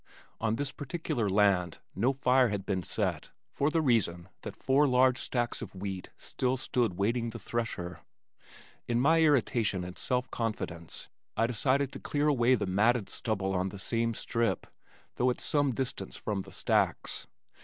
On this particular land no fire had been set for the reason that four large stacks of wheat still stood waiting the thresher. In my irritation and self confidence I decided to clear away the matted stubble on the same strip though at some distance from the stacks.